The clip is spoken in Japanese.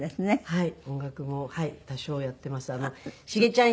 はい。